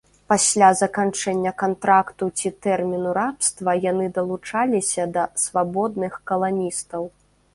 Пасля заканчэння кантракту ці тэрміну рабства яны далучаліся да свабодных каланістаў.